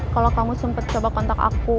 kalau kamu sempat coba kontak aku